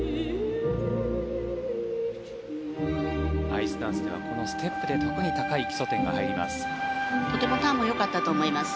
アイスダンスではこのステップで特に高い基礎点が入ります。